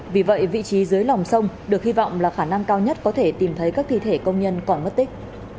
vì vậy vị trí dưới lòng sông được hy vọng là khả năng cao nhất có thể tìm thấy các thi thể công nhân còn mất tích